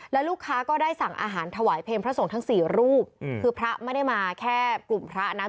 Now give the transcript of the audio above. แล้วลูกค้าก็ได้สั่งอาหารถวายเพลงพระสงฆ์ทั้งสี่รูปคือพระไม่ได้มาแค่กลุ่มพระนะ